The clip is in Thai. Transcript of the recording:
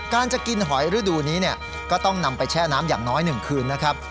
จะกินหอยฤดูนี้ก็ต้องนำไปแช่น้ำอย่างน้อย๑คืนนะครับ